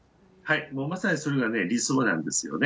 もうまさにそれが理想なんですよね。